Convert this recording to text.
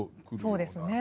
そうですね。